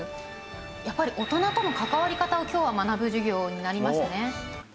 やっぱり大人との関わり方を今日は学ぶ授業になりましたね。